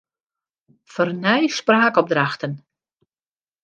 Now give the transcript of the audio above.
Fernij spraakopdrachten.